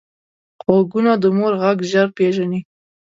غوږونه د مور غږ ژر پېژني